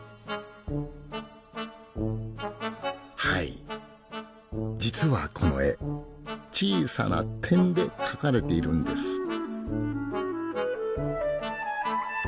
はい実はこの絵小さな点で描かれているんです。